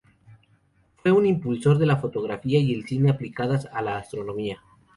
Fue un impulsor de la fotografía y el cine aplicadas a la Astronomía.